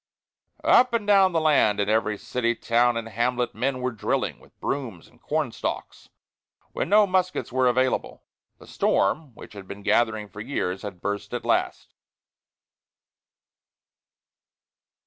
Up and down the land, in every city, town, and hamlet, men were drilling with brooms and corn stalks, when no muskets were available. The storm, which had been gathering for years, had burst at last.